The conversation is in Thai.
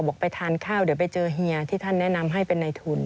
ไปทานข้าวเดี๋ยวไปเจอเฮียที่ท่านแนะนำให้เป็นในทุน